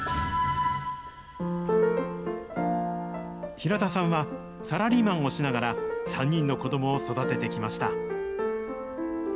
平田さんはサラリーマンをしながら、３人の子どもを育ててきました。